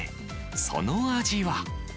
その味は。